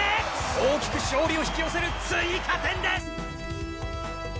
大きく勝利を引き寄せる追加点です！